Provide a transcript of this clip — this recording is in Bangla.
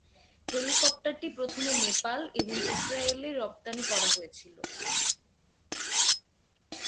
হেলিকপ্টারটি প্রথমে নেপাল এবং ইসরায়েলে রপ্তানি করা হয়েছিল।